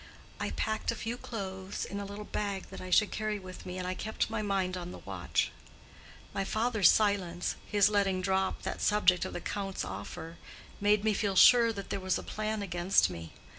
I packed a few clothes in a little bag that I could carry with me, and I kept my mind on the watch. My father's silence—his letting drop that subject of the Count's offer—made me feel sure that there was a plan against me.